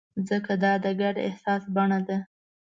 ځکه دا د ګډ احساس بڼه ده.